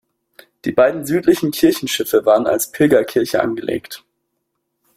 Die beiden südlichen Kirchenschiffe waren als Pilgerkirche angelegt.